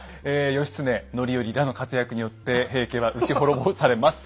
義経範頼らの活躍によって平家は打ち滅ぼされます。